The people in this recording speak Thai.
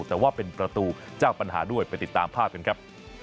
แต่ว่าเป็นประตูเจ้าปัญหาด้วยไปติดตามภาพกันครับ